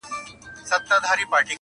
• نه وي عشق کي دوې هواوي او یو بامه..